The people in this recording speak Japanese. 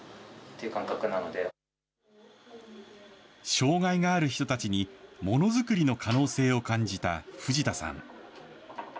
障害がある人たちに、ものづくりの可能性を感じた藤田さん。